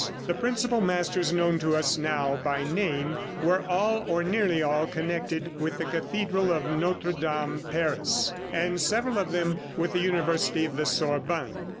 The principal masters known to us now by name, were all, or nearly all, connected with the cathedral of Notre Dame, Paris, and several of them with the university of the Sorbonne.